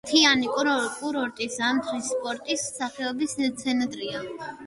მთიანი კურორტი, ზამთრის სპორტის სახეობების ცენტრი.